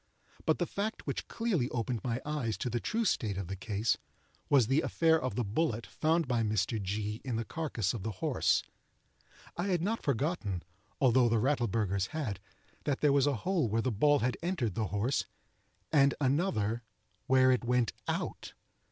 But the fact which clearly opened my eyes to the true state of the case, was the affair of the bullet, found by Mr. G. in the carcass of the horse. I had not forgotten, although the Rattleburghers had, that there was a hole where the ball had entered the horse, and another where it went out.